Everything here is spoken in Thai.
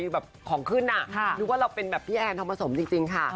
แบบของขึ้นอ่ะค่ะนึกว่าเราเป็นแบบพี่แอนทำผสมจริงจริงค่ะอ๋อ